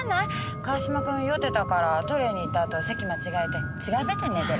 川島君酔ってたからトイレに行ったあと席間違えて違うベッドに寝てるんだわ。